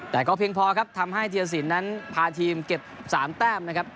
แต่ก็เพียงพอครับทำให้ธีรสินนั้นพาทีมเก็บ๓แต้มนะครับ